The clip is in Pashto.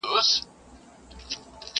چي حساب د نادارۍ ورکړي ظالم ته٫